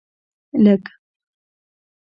لږ